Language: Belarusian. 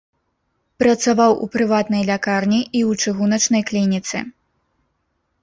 Працаваў у прыватнай лякарні і ў чыгуначнай клініцы.